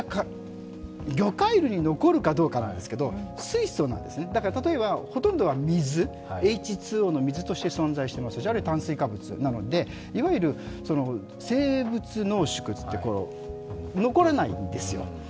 魚介類に残るかどうかなんですけど、水素なんですね、だから例えばほとんどは水、Ｈ２Ｏの水として存在していますしあるいは炭水化物なので生物濃縮っていって残らないんですよ。